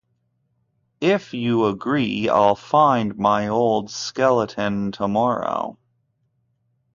If you agree, I'll find my old skeleton tomorrow.